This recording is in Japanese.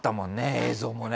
映像もね。